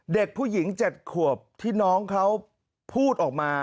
เด็กผู้หญิง๗ขวบที่น้องเขาพูดออกมา